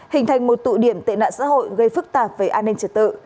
hình thành một tụ điểm tệ nạn xã hội gây phức tạp về an ninh trật tự